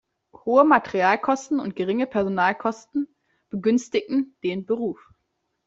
Hohe Materialkosten und geringe Personalkosten begünstigten den Beruf.